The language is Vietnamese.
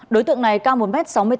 đối tượng này cao một m sáu mươi tám